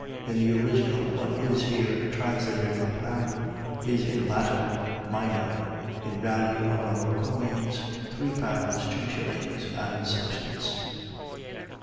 . .In the original, what is here translated a pound, is in Latin, mina, in value of our coin, three pounds two shillings and sixpence.